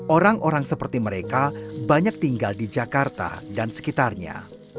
orang orang seperti mereka banyak tinggal di jakarta dan sekitarnya